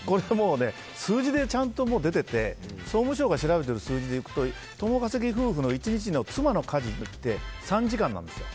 数字でちゃんと出てて総務省が調べている数字でいうと共稼ぎ夫婦の１日の妻の家事って３時間なんですよ。